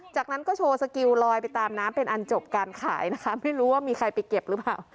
จากนั้นก็โชว์สกิลลอยไปตามน้ำเป็นอันจบการขายนะคะไม่รู้ว่ามีใครไปเก็บหรือเปล่า